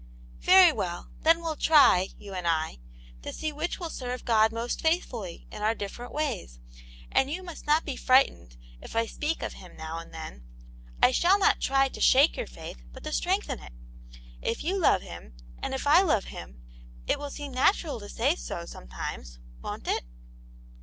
" Very well ; then we'll try, you and I, to see which will serve God most faithfully in our different ways. And you must not be fclgJcv^CYv^^ \S. \^^^^ no Aunt Jane's Hero, of Him now and then; I shall not try to shake your faith, but to strengthen it ; if you love Him, and if I love Him, it will seem natural to say so, some times ; won't it